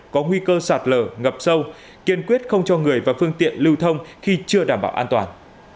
có nguy cơ sạt lở ngập sâu kiên quyết không cho người và phương tiện lưu thông khi chưa đảm bảo an toàn